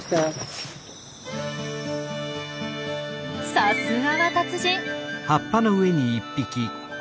さすがは達人！